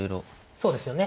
そうですよね